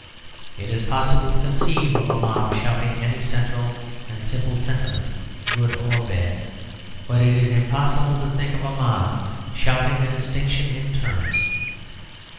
It is possible to conceive of a mob shouting any central and simple sentiment, good or bad, but it is impossible to think of a mob shouting a distinction in terms.